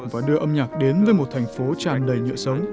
và đưa âm nhạc đến với một thành phố tràn đầy nhựa sống